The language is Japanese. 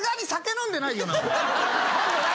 飲んでない！